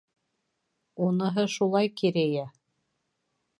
Уныһы шулай, Керея.